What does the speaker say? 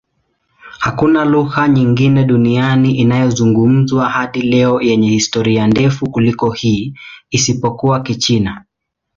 Hakuna lugha nyingine duniani inayozungumzwa hadi leo yenye historia ndefu kuliko hii, isipokuwa Kichina.